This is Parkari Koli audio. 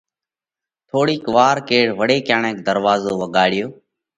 ٿوڙِي وار ڪيڙ وۯي ڪڻئڪ ڌروازو وڳاڙيو۔